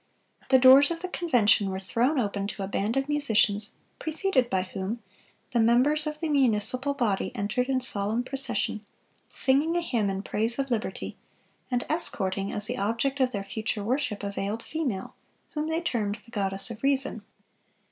The doors of the Convention were thrown open to a band of musicians, preceded by whom, the members of the municipal body entered in solemn procession, singing a hymn in praise of liberty, and escorting, as the object of their future worship, a veiled female, whom they termed the Goddess of Reason.